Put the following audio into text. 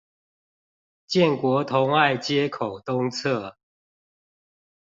建國同愛街口東側